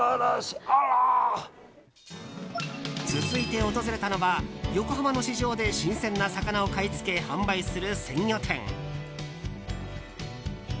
続いて訪れたのは横浜の市場で新鮮な魚を買い付け販売する鮮魚店。